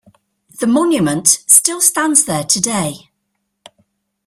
The monument still stands there today.